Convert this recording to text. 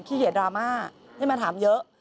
ขี้เหยียดรามาให้มาถามเยอะ